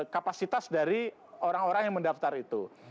kapasitas dari orang orang yang mendaftar itu